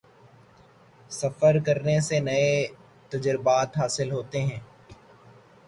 سفر کرنے سے نئے تجربات حاصل ہوتے ہیں